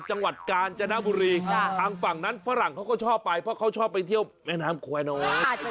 จังหวัดกาญจนบุรีทางฝั่งนั้นฝรั่งเขาก็ชอบไปเพราะเขาชอบไปเที่ยวแม่น้ำแควร์น้อย